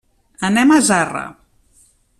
Anem a Zarra.